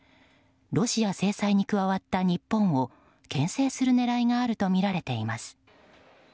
ロシア制裁に加わった日本を牽制する狙いがあるとみられています。